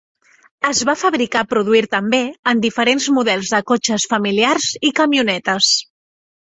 Es va fabricar produir també en diferents models de cotxes familiars i camionetes.